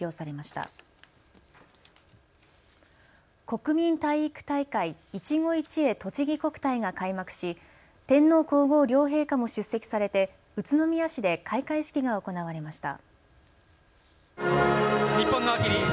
国民体育大会、いちご一会とちぎ国体が開幕し天皇皇后両陛下も出席されて宇都宮市で開会式が行われました。